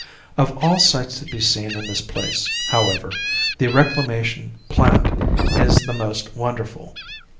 Of all sights to be seen in this place, however, the reclamation "plant" is the most wonderful.